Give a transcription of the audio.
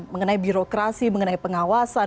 mengenai birokrasi mengenai pengawasan